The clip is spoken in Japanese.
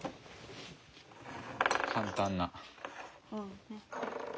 簡単な。